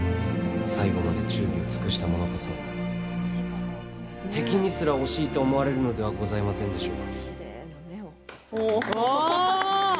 最後まで、忠義を尽くした者こそ敵にすら惜しいと思われるのではございませんでしょうか。